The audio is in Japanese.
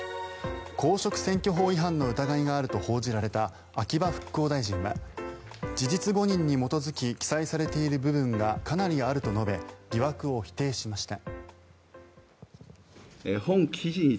公職選挙法の違反の疑いがあると報じられた秋葉復興大臣は事実誤認に基づき記載されている部分がかなりあると述べ疑惑を否定しました。